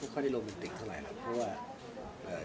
ไม่ค่อยได้โรมนิติกเท่าไรนะเพราะว่า